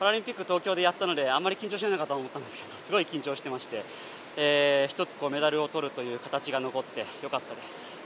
東京でやったのであんまり緊張しないのかと思ったんですけどすごい緊張してまして１つメダルを取るという形が残ってよかったです。